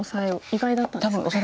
意外だったんですかね。